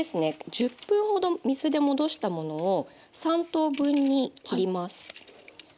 １０分ほど水で戻したものを３等分に切ります。